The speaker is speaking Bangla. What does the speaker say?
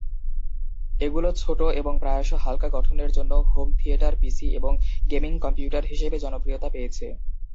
এগুলো ছোট এবং প্রায়শ হালকা গঠনের জন্য হোম থিয়েটার পিসি এবং গেমিং কম্পিউটার হিসেবে জনপ্রিয়তা পেয়েছে।